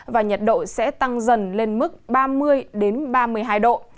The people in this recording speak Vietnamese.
và nhiệt độ sẽ tăng dần lên mức ba mươi ba mươi hai độ